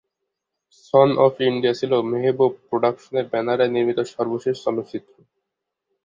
Son of India ছিল মেহবুব প্রোডাকশনের ব্যানারে নির্মিত সর্বশেষ চলচ্চিত্র।